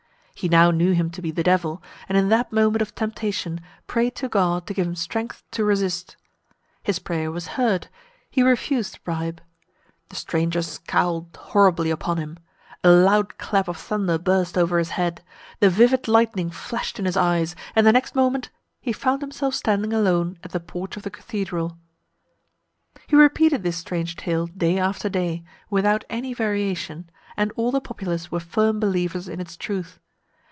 He now knew him to be the Devil, and in that moment of temptation, prayed to God to give him strength to resist. His prayer was heard he refused the bribe. The stranger scowled horribly upon him a loud clap of thunder burst over his head the vivid lightning flashed in his eyes, and the next moment he found himself standing alone at the porch of the cathedral. He repeated this strange tale day after day, without any variation, and all the populace were firm believers in its truth.